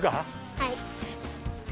はい。